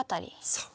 そう。